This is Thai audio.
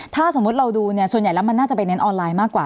ถ้าสมมุติเราดูเนี่ยส่วนใหญ่แล้วมันน่าจะไปเน้นออนไลน์มากกว่า